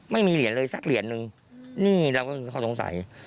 ไม่มีเหรียญเลยสักเหรียญนึงนี่เราก็มีข้อสงสัย